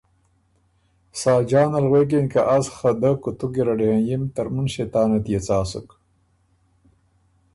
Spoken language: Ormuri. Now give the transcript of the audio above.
ساجان ال غوېکِن که از خه دۀ کُوتُو ګیرډ هېنيِم ترمُن ݭېطانت يې څا سُک؟